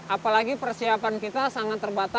apalagi persiapan kita sangat terbatas